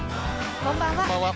こんばんは。